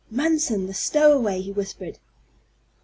"Munson the stowaway!" he whispered.